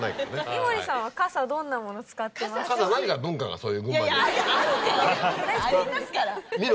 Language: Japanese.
井森さんは傘どんなもの使ってますか？